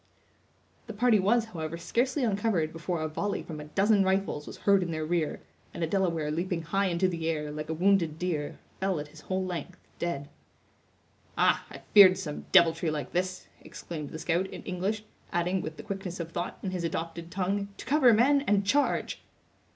The party was, however, scarcely uncovered before a volley from a dozen rifles was heard in their rear; and a Delaware leaping high in to the air, like a wounded deer, fell at his whole length, dead. "Ah, I feared some deviltry like this!" exclaimed the scout, in English, adding, with the quickness of thought, in his adopted tongue: "To cover, men, and charge!"